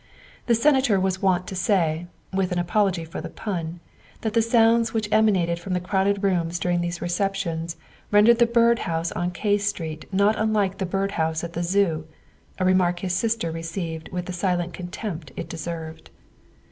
The Senator was wont to say (with an apology for the pun) that the sounds which emanated from the crowded rooms during these recep tions rendered the Byrd house on K Street not unlike the bird house at the Zoo, a remark his sister received with the silent contempt it deserved.